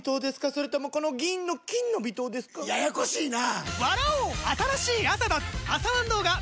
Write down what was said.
それともこの銀の「金の微糖」ですか？ややこしいなぁ！